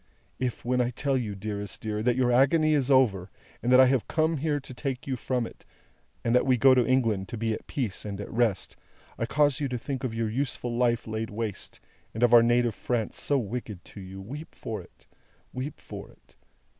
"If, when I tell you, dearest dear, that your agony is over, and that I have come here to take you from it, and that we go to England to be at peace and at rest, I cause you to think of your useful life laid waste, and of our native France so wicked to you, weep for it, weep for it!